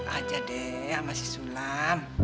aja deh sama sisulam